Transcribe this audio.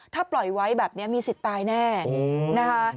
ถ้าปล่อยไว้แบบนี้มีสิทธิ์ตายแน่นะคะ